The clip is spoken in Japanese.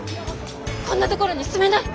こんな所に住めない！